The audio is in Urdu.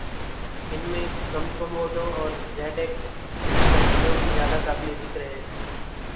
ان میں کمکموڈو اور زیڈ ایکس اسپیکٹرم زیادہ قابل ذکر ہیں